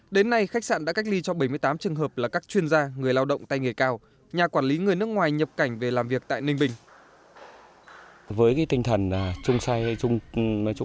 đến nay khách sạn đã cách ly cho bảy mươi tám trường hợp là các chuyên gia người lao động tay nghề cao nhà quản lý người nước ngoài nhập cảnh về làm việc tại ninh bình